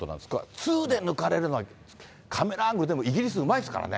ツーで抜かれるのは、カメラアングル、でもイギリス、うまいですからね。